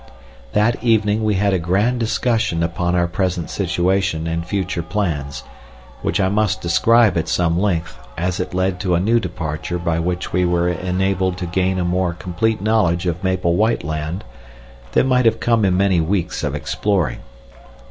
That evening we had a grand discussion upon our present situation and future plans, which I must describe at some length, as it led to a new departure by which we were enabled to gain a more complete knowledge of Maple White Land than might have come in many weeks of exploring.